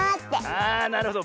ああなるほど。